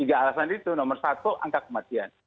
tiga alasan itu nomor satu angka kematian